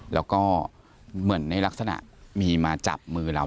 แล้วก็เหมือนในลักษณะมีมาจับมือเรา